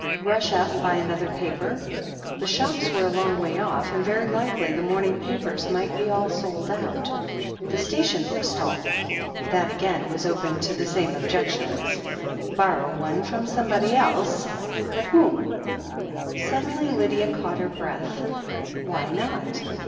Rush out and buy another paper ? The shops were a long way off, and very likely the morning papers might be all sold out. The station book stall ? That again was open to the same objections. Borrow one from somebody else ? But whom ? Suddenly Lydia caught her breath. Why not